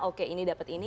oke ini dapat ini